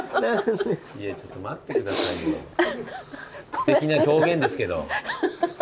すてきな表現ですけど。